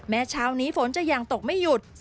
เช้านี้ฝนจะยังตกไม่หยุด